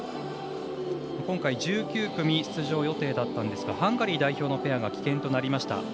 今回１９組出場予定だったんですがハンガリー代表のペアが棄権となりました。